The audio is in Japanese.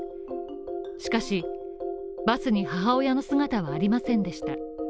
しかし、バスに母親の姿はありませんでした